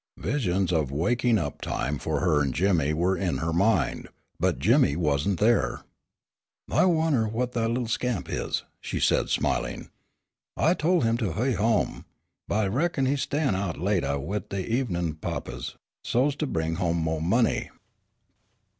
Visions of a "wakening up" time for her and Jimmy were in her mind. But Jimmy wasn't there. "I wunner whah that little scamp is," she said, smiling; "I tol' him to hu'y home, but I reckon he's stayin' out latah wid de evenin' papahs so's to bring home mo' money."